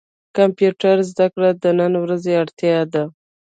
کمپيوټر زده کړه د نن ورځي اړتيا ده.